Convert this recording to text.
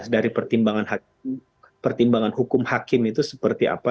dari pertimbangan hukum hakim itu seperti apa